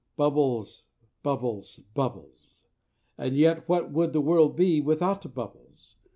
Bubbles; bubbles; bubbles; and yet what would the world be without bubbles?